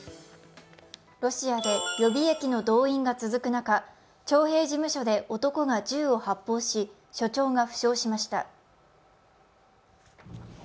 ロシアで予備役の動員が続く中、徴兵事務所で男が銃を発砲し、所長が負傷しました。